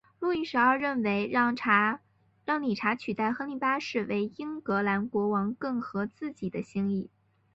路易十二认为让理查取代亨利八世为英格兰国王更合自己的心意。